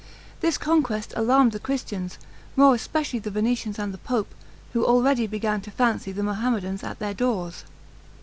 This conquest alarmed the Christians, more especially the Venetians and the pope, who already began to fancy the Mohammedans at their doors.